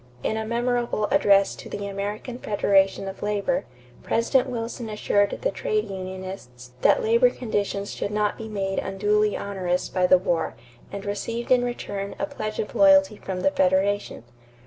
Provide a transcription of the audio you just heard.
In a memorable address to the American Federation of Labor, President Wilson assured the trade unionists that labor conditions should not be made unduly onerous by the war and received in return a pledge of loyalty from the Federation.